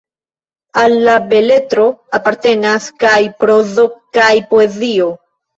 Al la beletro apartenas kaj prozo kaj poezio.